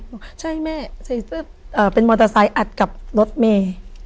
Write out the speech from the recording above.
บอกใช่แม่ใส่เสื้อเป็นมอเตอร์ไซค์อัดกับรถเมย์